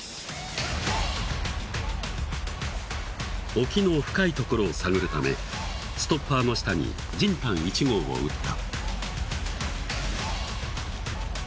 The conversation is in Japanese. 沖の深い所を探るためストッパーの下にジンタン１号を打った